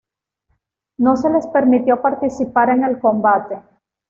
No se les permitió participar en el combate.